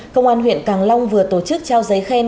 công an huyện càng long vừa tổ chức trao giấy khen